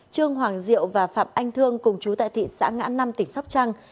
trương hoàng diệu và phạm anh thương cùng chú tại thị xã ngã năm tỉnh sóc trăng